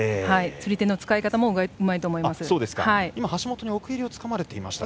釣り手の使い方もうまいと思います。